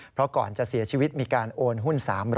เพราะก่อนจะเสียชีวิตมีการโอนหุ้น๓๐๐